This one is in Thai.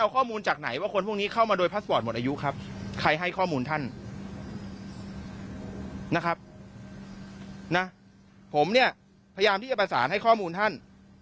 ผมเนี่ยพยายามที่จะประสานให้ข้อมูลท่าน